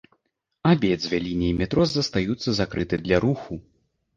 Абедзве лініі метро застаюцца закрытай для руху.